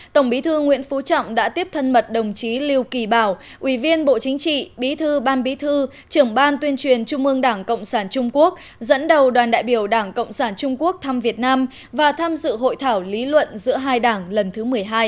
tổng bí thư nguyễn phú trọng đã tiếp thân mật đồng chí lưu kỳ bảo ủy viên bộ chính trị bí thư ban bí thư trưởng ban tuyên truyền trung ương đảng cộng sản trung quốc dẫn đầu đoàn đại biểu đảng cộng sản trung quốc thăm việt nam và tham dự hội thảo lý luận giữa hai đảng lần thứ một mươi hai